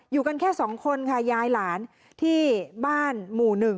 อยู่กันแค่สองคนค่ะยายหลานที่บ้านหมู่๑